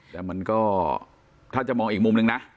แต่มันก็ถ้าจะมองอีกมุมนึงนะ